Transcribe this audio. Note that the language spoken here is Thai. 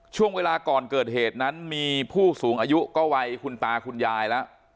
ช่วงเวลาก่อนเกิดเหตุนั้นมีผู้สูงอายุก็วัยคุณตาคุณยายแล้ว